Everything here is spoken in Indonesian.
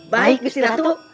baik gusti ratu